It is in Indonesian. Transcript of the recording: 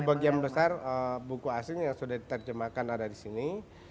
sebagian besar buku asing yang sudah diterjemahkan ada di sini